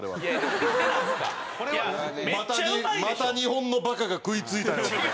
「また日本のバカが食いついたようだな」。